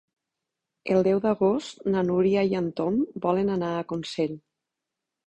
El deu d'agost na Núria i en Tom volen anar a Consell.